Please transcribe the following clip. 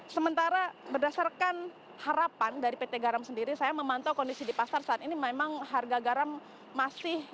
sementara berdasarkan harapan dari pt garam sendiri saya memantau kondisi di pasar saat ini memang harga garam masih